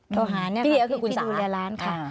โทรหาเนี่ยค่ะพี่ดูเรียร้านค่ะ